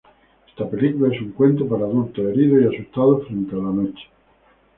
Esta película es un cuento para adultos heridos y asustados frente a la noche.